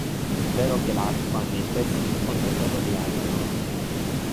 È vero che l’acqua, nei pressi del ponte ferroviario non è alta